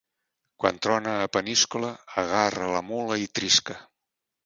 Quan trona a Peníscola, agarra la mula i trisca.